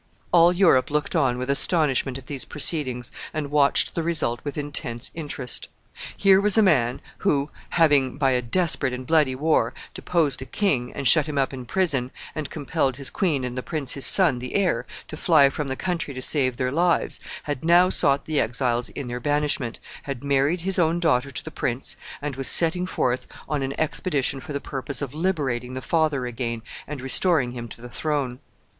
All Europe looked on with astonishment at these proceedings, and watched the result with intense interest. Here was a man who, having, by a desperate and bloody war, deposed a king, and shut him up in prison, and compelled his queen and the prince his son, the heir, to fly from the country to save their lives, had now sought the exiles in their banishment, had married his own daughter to the prince, and was setting forth on an expedition for the purpose of liberating the father again, and restoring him to the throne.